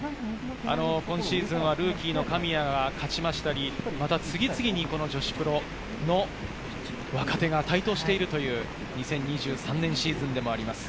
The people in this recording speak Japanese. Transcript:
今シーズンはルーキーの神谷が勝ったり、次々に女子プロの若手が台頭しているという２０２３年シーズンでもあります。